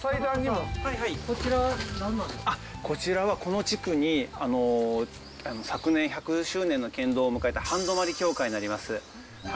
こちらはこの地区に昨年、１００周年の建造を迎えた半泊教会になります。